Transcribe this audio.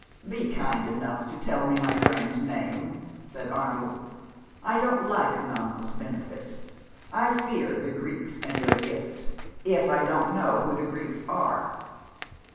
" Be kind enough to tell me my friend's name," said Arnold. " I don't like anonymous benefits. I fear the Greeks and their gifts, if I don't know who the Greeks are."